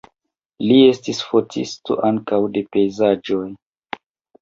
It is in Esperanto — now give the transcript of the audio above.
Li estis fotisto ankaŭ de pejzaĝoj.